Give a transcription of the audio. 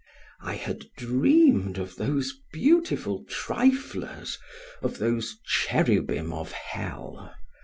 I had dreamed of those beautiful triflers; of those cherubim of hell.